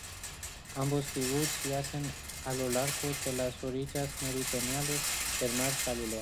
Ambos kibutz yacen a lo largo de las orillas meridionales del mar de Galilea.